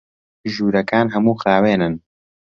ژوورەکان هەموو خاوێنن.